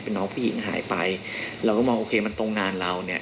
น้องผู้หญิงหายไปเราก็มองโอเคมันตรงงานเราเนี่ย